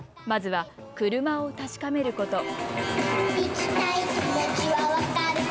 まずは車を確かめること。